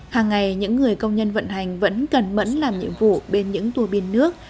hàng ngày những người công nhân vận hành vẫn cần mẫn làm nhiệm vụ bên những tùa biên nước